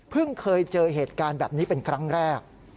เคยเจอเหตุการณ์แบบนี้เป็นครั้งแรก